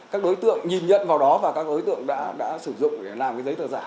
các đối tượng nhìn nhận vào đó và các đối tượng đã sử dụng để làm cái giấy tờ giả